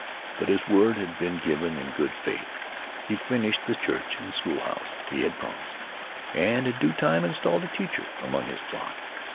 But his word had been given in good faith; he finished the church and school house he had promised, and in due time installed the teacher among his flock.